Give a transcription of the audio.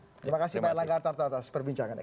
terima kasih pak erlangga artarto atas perbincangannya